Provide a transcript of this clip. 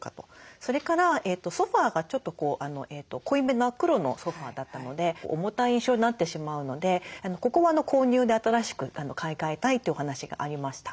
それからソファーがちょっと濃いめの黒のソファーだったので重たい印象になってしまうのでここは購入で新しく買い替えたいというお話がありました。